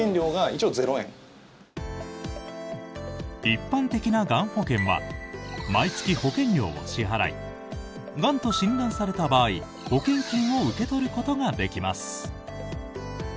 一般的ながん保険は毎月保険料を支払いがんと診断された場合、保険金を受け取ることができます。